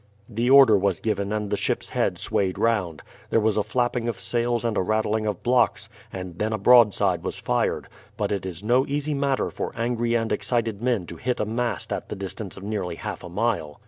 The order was given and the ship's head swayed round. There was a flapping of sails and a rattling of blocks, and then a broadside was fired; but it is no easy matter for angry and excited men to hit a mast at the distance of nearly half a mile.